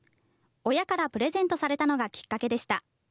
親からプレゼントされたのがきっかけでした。